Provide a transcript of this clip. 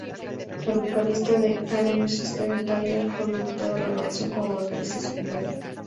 El vocalista de Aerosmith, Steven Tyler, fue invitado a la grabación como vocalista secundario.